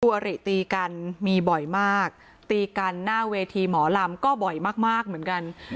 อริตีกันมีบ่อยมากตีกันหน้าเวทีหมอลำก็บ่อยมากเหมือนกัน